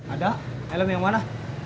ada helm yang mana